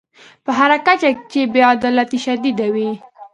په هر کچه چې بې عدالتي شدیده وي.